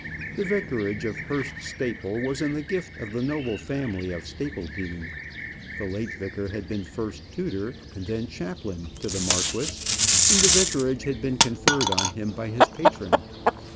The vicarage of Hurst Staple was in the gift of the noble family of Stapledean. The late vicar had been first tutor and then chaplain to the marquis, and the vicarage had been conferred on him by his patron.